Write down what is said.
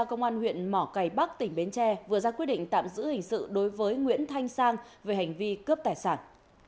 công an huyện mỏ cây bắc tỉnh bến tre vừa ra quyết định tạm giữ hình sự đối với nguyễn thanh sang về hành vi cướp tài sản